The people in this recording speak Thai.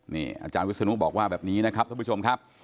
นี่อาจารย์วิศนุบอกว่าแบบนี้นะครับท่านผู้ชมครับ